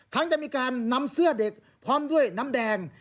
จะมีการนำเสื้อเด็กพร้อมด้วยน้ำแดง